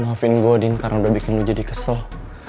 maafin gue din karena udah bikin lo jadi kesel